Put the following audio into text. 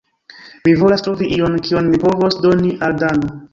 Mi volas trovi ion, kion mi povos doni al Dano.